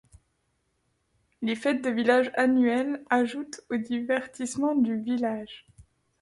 Les fêtes de village annuelles ajoutent au divertissement du village.